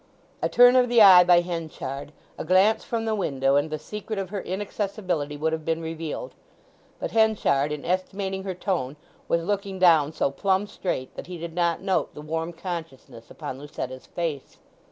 A turn of the eye by Henchard, a glance from the window, and the secret of her inaccessibility would have been revealed. But Henchard in estimating her tone was looking down so plumb straight that he did not note the warm consciousness upon Lucetta's face.